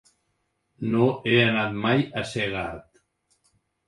No he anat mai a Segart.